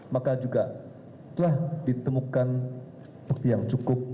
maka juga telah ditemukan bukti yang cukup